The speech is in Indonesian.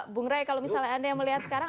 bung rey kalau misalnya anda yang melihat sekarang